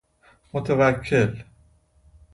متوکل